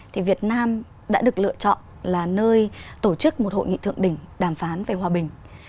thì việt nam đã được lựa chọn là nơi tổ chức một hội nghị thượng đỉnh đàm phán về hòa bình